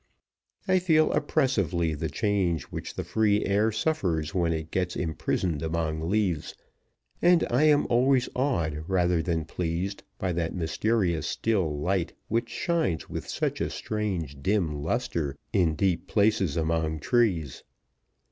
I feel oppressively the change which the free air suffers when it gets imprisoned among leaves, and I am always awed, rather than pleased, by that mysterious still light which shines with such a strange dim luster in deep places among trees.